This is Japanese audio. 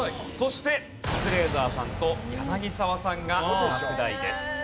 そしてカズレーザーさんと柳澤さんが落第です。